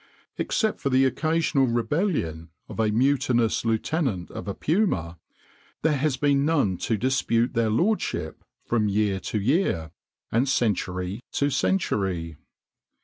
Except for the occasional rebellion of a mutinous lieutenant of a puma, there has been none to dispute their lordship from year to year and century to century.